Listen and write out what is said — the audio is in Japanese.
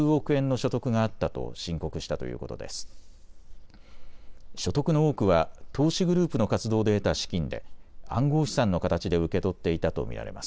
所得の多くは投資グループの活動で得た資金で暗号資産の形で受け取っていたと見られます。